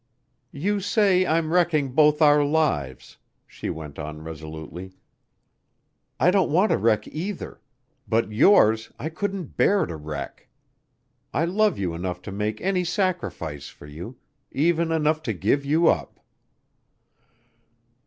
"You say I'm wrecking both our lives...." she went on resolutely. "I don't want to wreck either ... but yours I couldn't bear to wreck. I love you enough to make any sacrifice for you ... even enough to give you up."